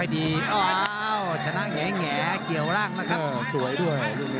เดี๋ยวดูเดี๋ยวดู